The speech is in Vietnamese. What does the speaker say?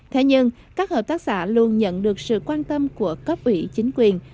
thế nhưng các hợp tác xã luôn nhận được sự quan tâm của cấp ủy chính quyền